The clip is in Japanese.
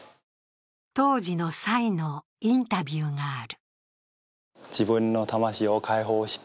当時の蔡のインタビューがある。